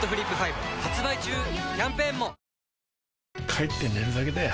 帰って寝るだけだよ